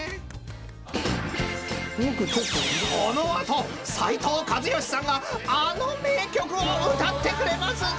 ［この後斉藤和義さんがあの名曲を歌ってくれますぞ！］